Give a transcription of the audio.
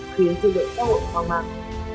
khiến dư luận xã hội hoang mạng